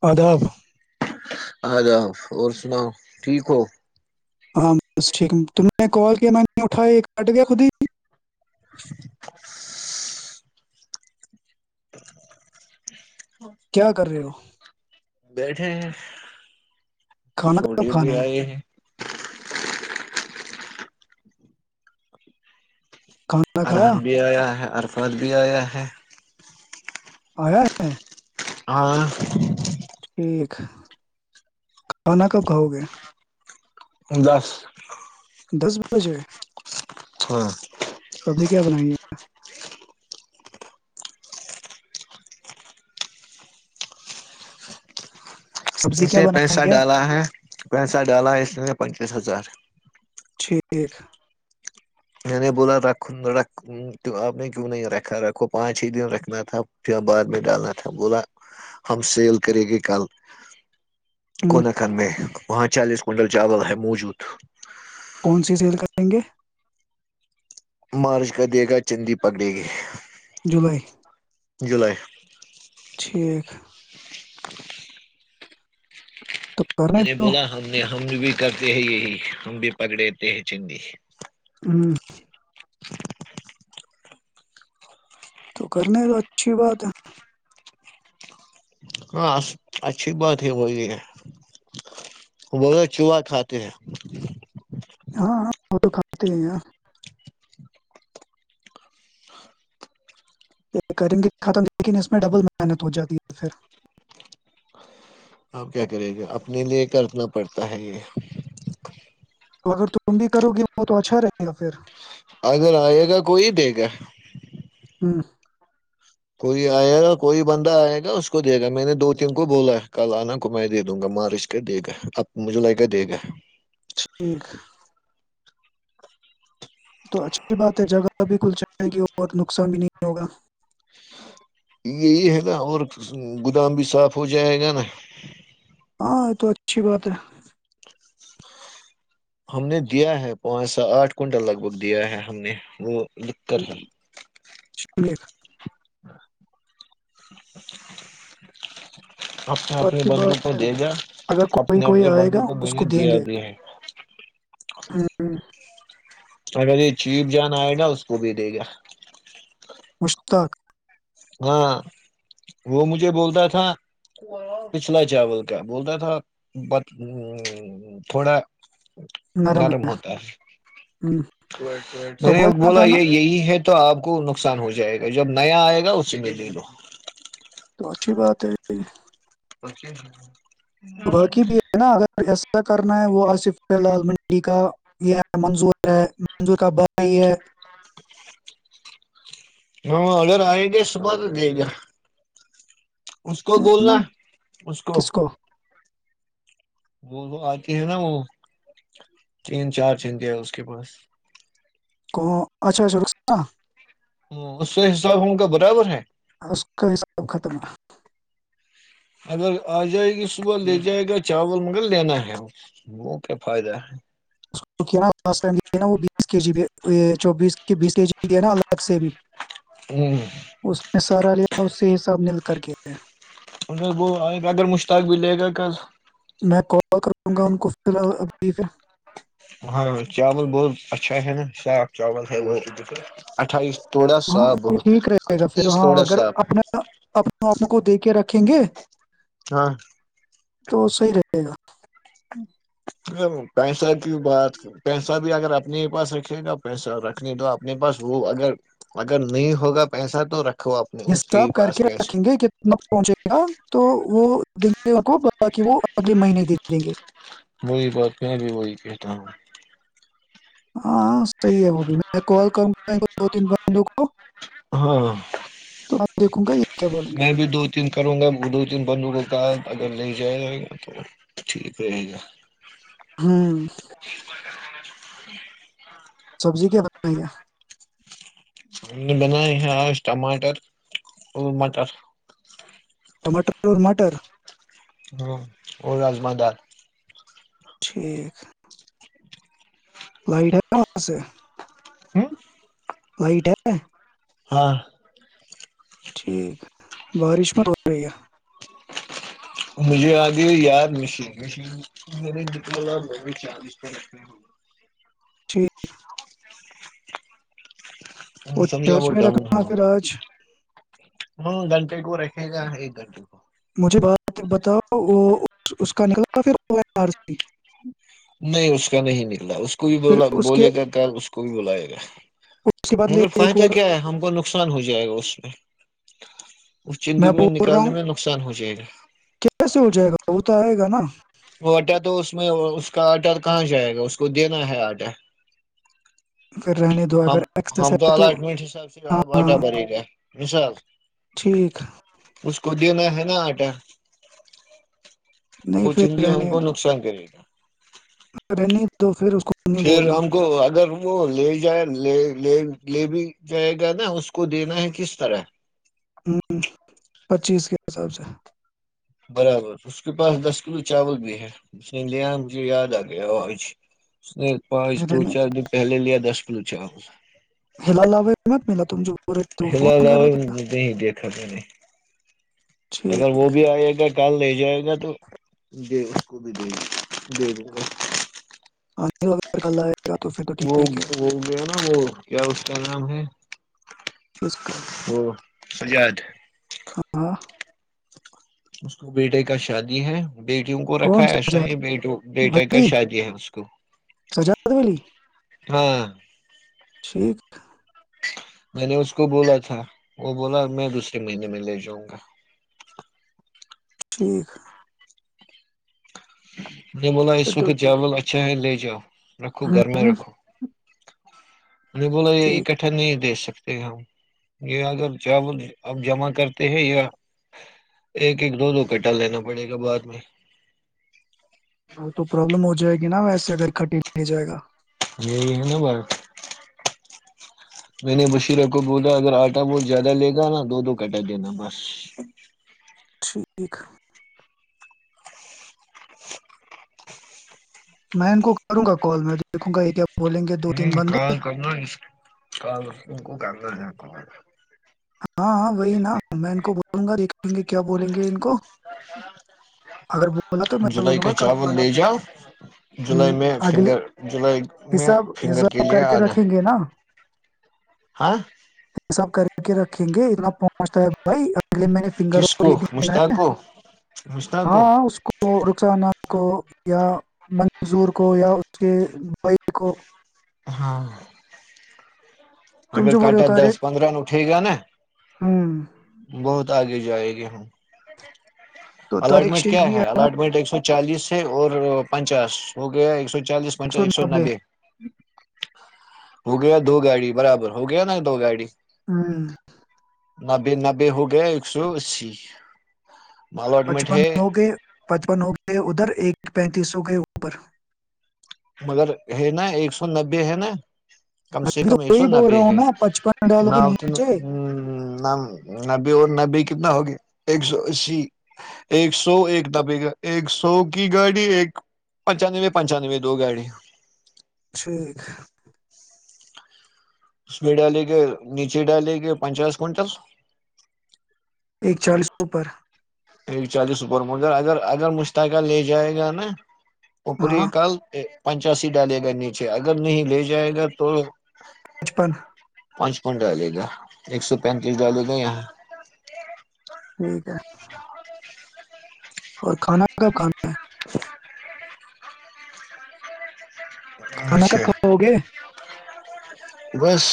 آداب آ جاب اور سناؤ ٹھیک ہو ہاں بس ٹھیک تم نے کال کیا میں نے اٹھائی کٹ گیا خود ہی کیا کر رہے ہو؟ بیٹھے ہیں کھانا کب چوٹے بھی کھانا ہے آئے ہیں کھانا کھایا ارحن بھی فد بھی آیا ہے اور اور ٹھیک کھانا کب کھاو گے دس دس بجے ہاں سبزی کیا بنائیےا سبزی کیا اسے پیسہ بنائی ڈالا ہے پیسہ ڈالا ہے اس نے پچیس ہزار ٹھیک میں نے بولا رکھ رکھ آپ نے کیوں نہیں رکھا رکھو پانچ ہی دن رکھنا تھا پھر بعد میں ڈالنا تھا بولا ہم سیل کریں گے کل ہم، کون کر میں [unintelligible] وہاں چالیس کونٹل چاول ہے موجود [unintelligible] کون سی سیل کریں گے مارچ کا دے گا چندی پکڑے گی جولائی جولائی [unintelligible] ٹھیک [unintelligible] [inaudible] تو کرنے میں نے دو بولا ہم نے ہم بھی کرتے ہیں یہی ہم بھی پکڑےتے ہیں چندی [unintelligible] ہاں [unintelligible] تو کرنا تو اچھی بات ہے [unintelligible] ہاں اچھی بات ہے وہ یہ ہے وہ چوہا کھاتے ہیں ہاں [unintelligible] وہ تو کھاتے ہیںاں [unintelligible] کریں گے ختم لیکن اس میں ڈبل محنت ہو جاتی ہے پھر [unintelligible] آپ کیا کرے گا اپنے لیے کرنا پڑتا ہے یہ [unintelligible] تو اگر تم بھی کرو گی وہ تو اچھا رہے گا پھر [unintelligible] اگر آئے گا کو ہی دے گا ہاہ [unintelligible] کوئی آئے گا کوئی بندہ آئے گا اس کو دے گا میں نے دو تین کو بولا کل آنا کو میں دے دوں گا مارچ کے دے گا اب مجھے ل کے دے گا ٹھیک [unintelligible] تو اچھی بات ہے جگہ ب کل چلے گی اور نقصان بھی نہیں ہوگا یہی ہے گا اور گودام بھی صاف ہو جائے گا نا ہاں یہ تو اچھی بات ہے ہم نے دیا ہے پانچ س آٹھ کنٹل لگ بھگ دیا ہے ہم نے وہ لکھ کر ہ ہے شکری [unintelligible] [inaudible] اپنے تو اپنے اچھی بندو کو بات ہے دے گا اگر کوئی اپنے کوئی اپنے آئے بندو گا میں اس نے کو دیں دیا گے بھی ہے ہ اگر یہ چیپ جان آئے گا اس کو بھی دے گا مشتق [unintelligible] ہاں وہ مجھے بولتا تھا پچھلا چاول کا بولتا تھا تھوڑا نرم ہوتا ہے ہم، میں تو نے بولنا بولا تھا نا یہ یہی ہے [unintelligible] تو آپ کو نقصان ہو جائے گا جب نیا آئے گا اس [unintelligible] س م ل لو [unintelligible] اچھی بات ہے [unintelligible] پچے [unintelligible] باقی بھی ہے نا اگر ایسا کر نا ہے وہ آصف لال منڈی کا یہ منظور ہے منظور کا ب ہی ہے [unintelligible] ہاں اگر آئے گے صبح تو دے گا [unintelligible] اس کو نا بولنا اس کو [unintelligible] وہ وہ آتی ہے نا وہ تین چار چنجیا اس کے پاس اچھا اچھا ر ہ اس سے حساب ہم کا برابر ہے اس کا حساب ختم ہے اگر آ جائے گی صبح لے جائے گا چاول مگر لینا ہے وہ کیا فائدہ ہے اس کیا [unintelligible] بیس کے جی بھی یہ چوبیس کے بیس کے جی بھی دیا نا الگ سے بھی ہے ہ اس نے سہارا لیا اس سے سب مل کر کے ہے [unintelligible] ان وہ اگر مشتاق بھی لے گا کل وں گا ان کو پ ابھی پ ہاں چاول بہت اچھا ہے نا صاف چاول ہے ب اٹھائیس توڑا ہاں صاف یہ بہت ہے ٹھیک رہے گا پھر تیس ہاں توڑا اگر صاف اپنا اپ آ کو دیکھ کک [unintelligible] رکھیں گے ہاں تو صحی رہے گا پیسہ کی بات پیسہ بھی اگر اپنے ہی پاس رکھے گا پیسہ رکھنے دو اپنے پاس وہ اگر اگر نہیں ہوگا پیسہ تو ر حساب کر کے رکھیں گے کہتنا پہنچے گا تو وہ باقی وہ اگلے مہینے ہی دے دیں گے وہی بات میں بھی وہی کہتا ہوں ہاں صحیح ہے وہ بھی میں کال کروں گا دو تین بندوں کو ہاں تو میں دیکھوں گا یہ کیا بولیں میں بھی دو تین کروں گا وہ دو تین بندوقوں کا اگر لے جیا جائے گا تو ٹھیک رہے گا ہاں [inaudible] سبزی کیا بنائ کیا ہم نے بنائی ہے آج ٹماٹر مٹر ٹماٹر اور مٹر اور رجما دار ٹھیک لائٹا کم سے [inaudible] وائٹ ہے ہاں ٹھیک بارش مت ہو رہی ہے مجھے آگے یاد مشین مش مے جتنا ٹھیک وہ سمج چرچ میں بتا رکھنا پھر آج گنٹ کو رہے ہے گا ایک گٹی کو مجھے بات بتاؤ وہ اس کا نکلتا پھر وہ س نہیں اس کا نہیں نکلا اس کو بھی ب پھر اس کے بولے گا ک اس کو بھی بلائے گا اس کے بدلے مگر ایک فائدہ اور کیا ہے ہم کو نقصان ہو جائے گا اس میں اس چنڈی میں بول رہا نکالنے ہوں میں نقصان ہو جائے گا کیسے ہو جائے گا وہ تو آئے گا نا وہ آٹا تو اس میں اس کا آٹا کہاں جائے گا اس کو دینا ہے آٹا پھر رہنے دو ہم اگر ہم ایکسس تو ہے الٹمنٹ حساب سے ہاں بٹا بنےے گا مثال ٹھیک اس کوودیو میں ہے نا آٹا نہیں وہ پھر ہم رہنے کو دو نقصان کر ٹھیک ہے تو پھر کو نہیں پھر بولنا ہم کو اگر وہ لے جائے بھی جائے گا نا اس کو دینا ہے کس طرح پچیس کے حساب سے برابر اس کے پاس دس کلو چاول بھی ہے اس نے لےیا مجھے یاد آ گیا جی اس نے پانچ دو رہنے چار دن پہلے لیا دس چلوچا اللہ ہلا لو مت ملا ت ہلاال نہیں دیکھا کہ نے اگر وہ ٹھیک بھی آئے گا کل لے جائے گا تو د کو بھی ج جی جی ہاں کا وہ وہ گیا نا وہ کیا اس کا نام ہے کس کا ا یاد ہاں اس کو بیٹے کا شادی ہے بیٹیوں کو رکھا کون ہے سا ایسا ہی جات بیٹ بیٹا کا بھلی شادی ہے اس کو سجاد ولی ہاں ٹھیک میں نے اس کو بولا تھا وہ بولا میں دوسرے مہینے میں لے جاؤں گا ٹھیک [inaudible] ن ملا اس پھر تو وقت ٹھیک چاول اچھا ہے ل جو رکھو گھر میں ہوں رکھو نہیں بو یہ ٹھیک اکٹ نہیں دے سک ہم یہ اگر چاول اب جمع کرتے ہیں یا ایک ایک دو دو پٹا لینا پڑے گا بعد میں ہاں تو پرابلم ہو جائے گی نا ویسے اگر کھٹٹی نہیں جائے گا یہی ہے نا بس میں نے بشیرہ کو بولا اگر آٹا بہت زیادہ لے گا نا دو دو کٹا دینا بس [inaudible] [inaudible] میں ان کو کروں گا کال میں دیکھوں گا ایک ہوں کام کرنا کام گند ج کو ہاں ہ وہی نہا میں ان کو بولوں گا یں گے کیا بولیں گے ان کو اگر بولا تو میں جولائی بولوں گا کا کل چاول آنا لے پھر جاؤ ہ جولائی میں اگلے فنگر جولائی میں حساب فنگر حساب لیے کر کے آنا رکھیں گے نا ہاں یہ سب کر [unintelligible] کر کے رکھیں گے اتنا پہنچتا ہے بھائی اے میں نے فن کس یہ کو دا مشتاق ہے کو مشتاق کو ہاں اس کو رکسانا کو یا منظور کو یا اس کے بئی کو ہاں [unintelligible] تم اگر جو بولے ہو کاٹا طارق دس پندرہ ن اٹھے گا نا ہوں بہت آگے جائےیں گے ہم تو طارق الٹمنٹ شیخ کیا بھی ہے نا الٹمنٹ ایک سو چالیس اور پنچاس ہو گیا ایک سو چالیس پنچا ایک سو نبے ہو گیا دو گاڑی برابر [unintelligible] ہو گیا نا ایک دو گاڑی ہاں [unintelligible] نبے نبے ہو گیا ایک سو اسی الاٹمنٹ بچپن ہے ہو کے بچپن ہوگ ا ادھر ایک پینتیسوں گئے اوپر مگر ہے نا ایک سو نبے ہے نا کم میں سے بھی تو کم ایک سو وہی بول رہا نبے ہوں ہے نا پچپن ڈالو ن گے نیچے نبے اور نبے کتنا ہوگیا ایک سو اسی ایک سو ایک دبے گا ایک سو کی گاڑی ایک پنچانوے پنچانوے دو گاڑی ٹھیک اس میں ڈالیں گے نیچے ڈالیں گے پنچاس کنٹل ایک چالیسوںو پر ایک چالیس سپر مگر اگر اگر مشتکل لے جائے گا نا اوپری ہاں کل [unintelligible] پنچاسی ڈالے گا نیچے اگر نہیں لے جائے گا تو بچپن [unintelligible] پانچپن ڈالے گا ایک سو پینتیس ڈالے گا یہاں ٹھیک ہے [unintelligible] اور کھانا کب کھانا ہے کھانا اچھا کب کھاو گے [unintelligible] بس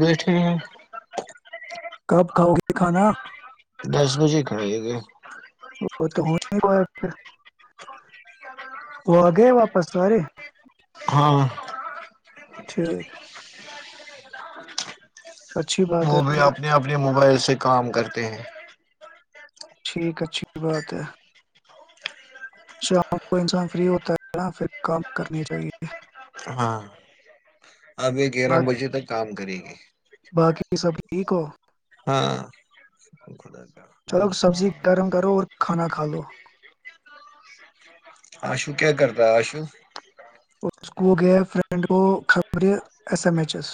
بیٹھے ہیں [unintelligible] کب کھاؤ گے کھانا [unintelligible] دس بجے ہی کھائیے گے [unintelligible] وہ تو ہونے ہوا پھر وہ آ گئے واپس آارے [unintelligible] ہاں ٹھیک ہے [unintelligible] ج [inaudible] وہ بھی ہے اپنے اپنے موبائل سے [unintelligible] کام کرتے ہیں [unintelligible] ٹھیک اچھی بات ہے [unintelligible] شام کو انسان فری ہوتا ہے ن پھر کام کرنی چاہیے [unintelligible] ہاں ابھی گیرہ با- بجے تک کام [unintelligible] کرے گی [unintelligible] باقی سب ٹھیک ہو [unintelligible] ہم خدا [unintelligible] چلو اور سنا سبزی گرم کرو اور کھانا کھا کالو [unintelligible] آشو کیا کرتا آشو [unintelligible] اس کو گیا فرینڈ کو خبریں ایس ایم ایچ ایس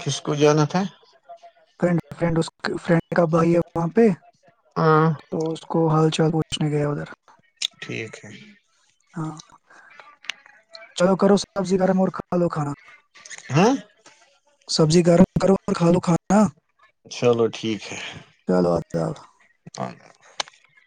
کسک ج نت ہے [unintelligible] ف فرینڈ اس کو [unintelligible] فرینڈ کا بھائی ہے وہاں پہ ہاں تو اس کو ہال چ چال پوچنے گیا ادھر [unintelligible] ٹھیک ہے [unintelligible] ہاں چلو کرو سبزی گرم اور کھا لو کھانا [unintelligible] ہاں [unintelligible] سبزی گرم کرو اور کھا لو کھانا چلو ٹھیک ہے [unintelligible] خ [unintelligible] اور [unintelligible]